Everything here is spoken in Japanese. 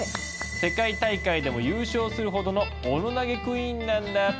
世界大会でも優勝するほどのオノ投げクイーンなんだ。